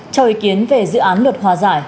cho ý kiến về dự án luật hòa giải